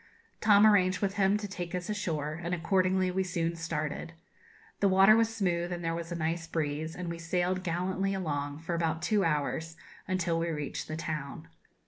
Tom arranged with him to take us ashore; and accordingly we soon started. The water was smooth and there was a nice breeze, and we sailed gallantly along for about two hours, until we reached the town.